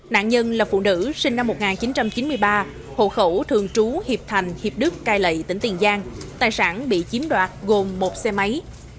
nạn nhân là phụ nữ sinh năm một nghìn chín trăm chín mươi ba hộ khẩu thường trú hiệp thành hiệp đức cai lậy tỉnh tiền giang tài sản bị chiếm đoạt gồm một xe máy